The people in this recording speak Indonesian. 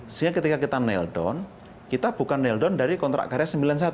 sehingga ketika kita kledown kita bukan kl down dari kontrak karya sembilan puluh satu